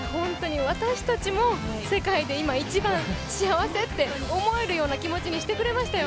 私たちも世界で今一番幸せって思えるような気持ちにしてくれましたよ。